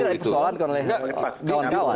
itu tidak dipersoalkan oleh kawan kawan